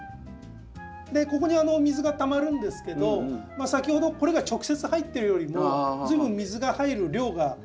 ここに水がたまるんですけど先ほどこれが直接入ってるよりも随分水が入る量が。